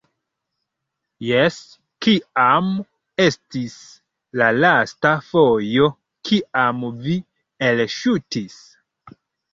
- Jes kiam estis la lasta fojo kiam vi elŝutis?